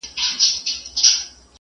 شاعر، ناول لیکونکی